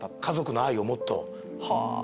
家族の愛をもっと。